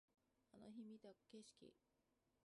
あの日見た景色